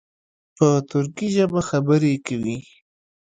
په ترکي ژبه خبرې کوي.